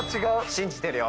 信じてるよ。